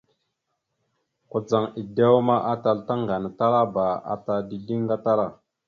Kudzaŋ edewa ma, atal tàŋganatalaba ata dideŋ gatala.